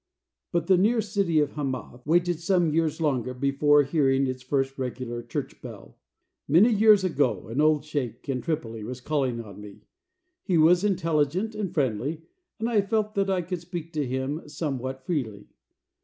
But the near city of Hamath waited some years longer before hearing its first regular church bell. Many years ago an old sheik in Tripoli was calling on me. He was intelligent and friendly and I felt that I could speak with him somewhat freely.